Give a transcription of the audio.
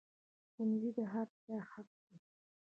ښوونځی د هر چا حق دی